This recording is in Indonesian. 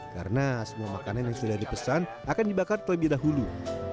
karena semua makanan yang sudah dipesan akan dibakar lebih dahulu